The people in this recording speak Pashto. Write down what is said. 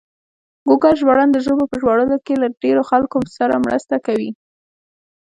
ګوګل ژباړن د ژبو په ژباړلو کې له ډېرو خلکو سره مرسته کوي.